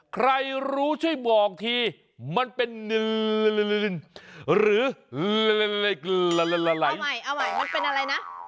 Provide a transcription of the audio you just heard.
ใครรู้ช่วยบอกที่มันเป็นหรือเอาใหม่เอาใหม่มันเป็นอะไรนะ